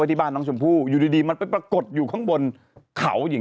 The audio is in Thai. ที่บ้านน้องชมพู่อยู่ดีมันไปปรากฏอยู่ข้างบนเขาอย่าง